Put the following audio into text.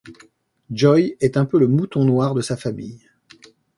Joy est un peu le mouton noir de sa famille.